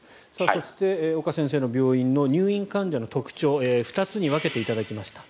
そして、岡先生の病院の入院患者の特徴を２つに分けていただきました。